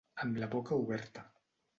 Amb la boca oberta.